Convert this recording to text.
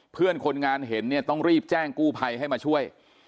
เพื่อนคนงานเห็นเนี่ยต้องรีบแจ้งกู้ภัยให้มาช่วย